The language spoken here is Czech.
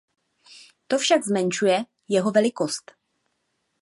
To však zmenšuje jeho velikost.